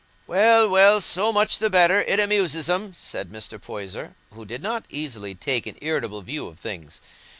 "Well, well, so much the better, it amuses 'em," said Mr. Poyser, who did not easily take an irritable view of things.